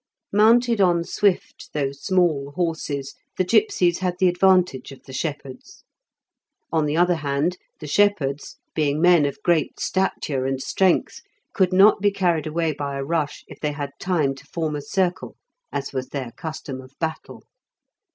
Mounted on swift, though small, horses, the gipsies had the advantage of the shepherds. On the other hand, the shepherds, being men of great stature and strength, could not be carried away by a rush if they had time to form a circle, as was their custom of battle.